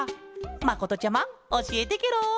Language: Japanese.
まことちゃまおしえてケロ！